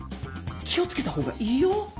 気を付けた方がいいよ。